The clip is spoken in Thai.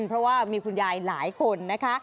เพราะว่ามีคุณยายหลายคนนะคะ